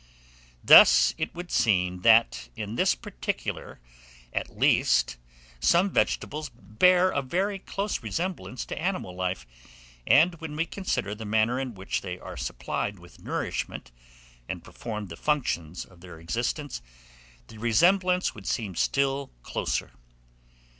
Thus it would seem that, in this particular at least, some vegetables bear a very close resemblance to animal life; and when we consider the manner in which they are supplied with nourishment, and perform the functions of their existence, the resemblance would seem still closer.